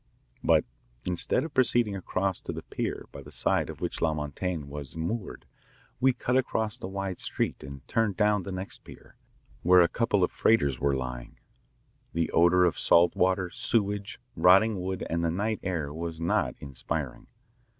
But instead of proceeding across to the pier by the side of which La Montaigne was moored, we cut across the wide street and turned down the next pier, where a couple of freighters were lying. The odour of salt water, sewage, rotting wood, and the night air was not inspiring.